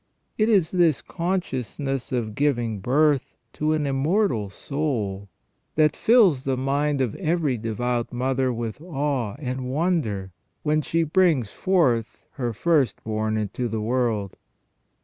It is this consciousness of giving birth to an immortal soul that fills the mind of every devout mother with awe and wonder when she brings forth her first born into the world.